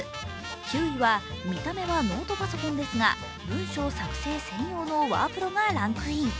９位は、見た目はノートパソコンですが、文章作成専用のワープロがランクイン。